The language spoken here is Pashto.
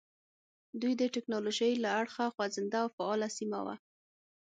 دوی د ټکنالوژۍ له اړخه خوځنده او فعاله سیمه وه.